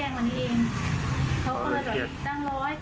เราก็เลยบอกเขาว่าประมาณว่าอย่าหวังเยอะนะ